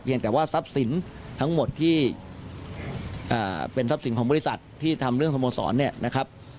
ยังแต่ว่าทรัพย์สินทั้งหมดที่เป็นทรัพย์สินของบริษัทที่ทำเรื่องสโมสรเนี่ยนะครับ